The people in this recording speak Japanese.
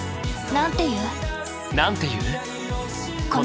なんて言う？